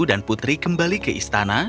dan putri kembali ke istana